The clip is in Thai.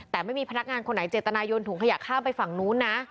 แต่ไม่มีพนักงานคนไหนเจตนายนถุงขยะข้ามไปฝั่งนู้นนะ